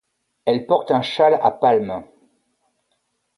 Elle porte un châle à palmes